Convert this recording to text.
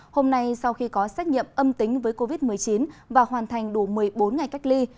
hôm nay sau khi có xét nghiệm âm tính với covid một mươi chín và hoàn thành đủ một mươi bốn ngày cách ly